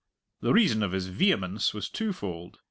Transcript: The reason of his vehemence was twofold.